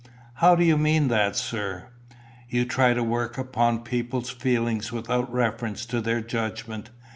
"How do you mean that, sir?" "You try to work upon people's feelings without reference to their judgment.